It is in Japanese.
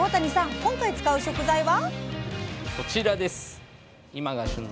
今回使う食材は？